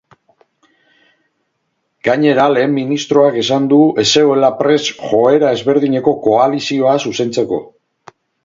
Gainera, lehen ministroak esan du ez zegoela prest joera ezberdineko koalizioa zuzentzeko.